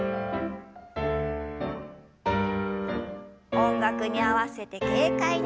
音楽に合わせて軽快に。